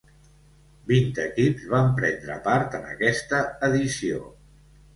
Vint equips van prendre part en aquesta edició.